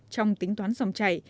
trong tính toán dòng chảy